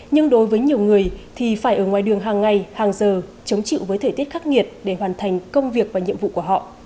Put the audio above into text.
nhưng đối với nhiều người thì phải ở ngoài đường hàng ngày hàng giờ chống chịu với thời tiết khắc nghiệt để hoàn thành công việc và nhiệm vụ của họ